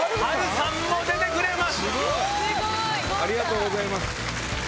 ありがとうございます！